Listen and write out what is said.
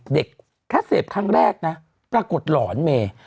เด็กถ้าเสพครั้งแรกนะปรากฏหล่อนเมย์